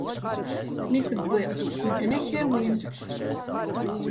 Mi tewwiḍ, medden ad k-awin.